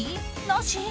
なし？